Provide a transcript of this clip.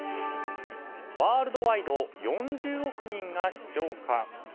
ワールドワイド４０億人が視聴か。